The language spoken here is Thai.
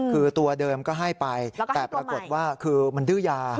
คือตัวเดิมก็ให้ไปแต่ปรากฏว่าคือมันดื้อยา